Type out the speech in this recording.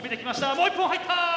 もう１本はいった！